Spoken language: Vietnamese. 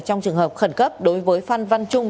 trong trường hợp khẩn cấp đối với phan văn trung